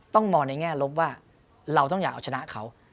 ต้องมองในแง่ลบว่าเราต้องอยากเอาชนะเขา